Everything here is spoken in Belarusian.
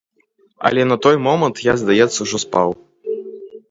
Але на той момант я, здаецца, ужо спаў.